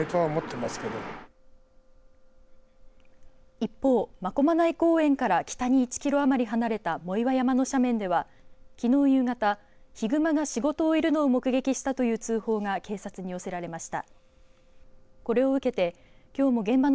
一方、真駒内公園から北に１キロ余り離れた藻岩山の斜面ではきのう夕方ヒグマが４、５頭いるのを目撃したという通報が警察に寄せられました。